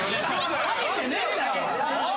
下げてねえんだよ。